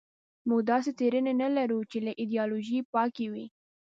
موږ داسې څېړنې نه لرو چې له ایدیالوژۍ پاکې وي.